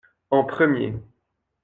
En premier.